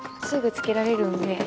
すぐ付けられるんで。